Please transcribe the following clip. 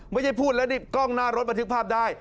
พูดแล้วนี่กล้องหน้ารถบันทึกภาพได้